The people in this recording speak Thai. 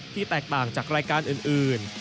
แตกต่างจากรายการอื่น